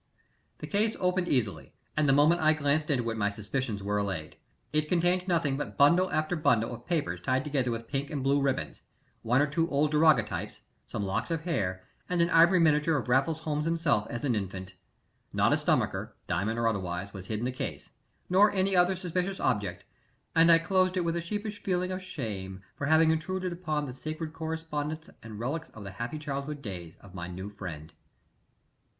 The case opened easily, and the moment I glanced into it my suspicions were allayed. It contained nothing but bundle after bundle of letters tied together with pink and blue ribbons, one or two old daguerreotypes, some locks of hair, and an ivory miniature of Raffles Holmes himself as an infant. Not a stomacher, diamond or otherwise, was hid in the case, nor any other suspicious object, and I closed it with a sheepish feeling of shame for having intruded upon the sacred correspondence and relics of the happy childhood days of my new friend.